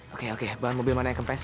oke oke bahan mobil mana yang kempes